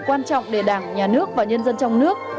quan trọng để đảng nhà nước và nhân dân trong nước